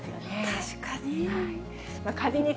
確かに。